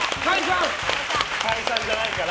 解散じゃないから。